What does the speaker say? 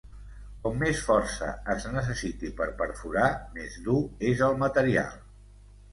Com més força es necessiti per perforar, més dur és el material.